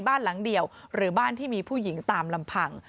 บ้านหลังเดียวหรือบ้านที่มีผู้หญิงตามลำพัง